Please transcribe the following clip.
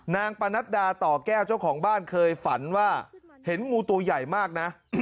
ปนัดดาต่อแก้วเจ้าของบ้านเคยฝันว่าเห็นงูตัวใหญ่มากนะ